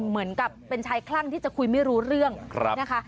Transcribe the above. เหมือนกับเป็นชายคลั่งที่จะคุยไม่รู้เรื่องนะคะ